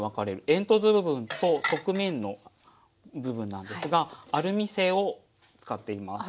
煙突部分と側面の部分なんですがアルミ製を使っています。